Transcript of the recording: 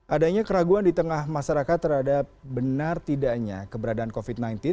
adanya keraguan di tengah masyarakat terhadap benar tidaknya keberadaan covid sembilan belas